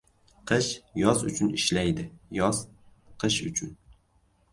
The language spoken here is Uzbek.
• Qish yoz uchun ishlaydi, yoz — qish uchun.